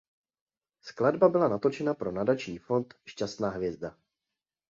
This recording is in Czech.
Skladba byla natočena pro nadační fond Šťastná hvězda.